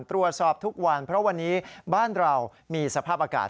ทุกวันเพราะวันนี้บ้านเรามีสภาพอากาศ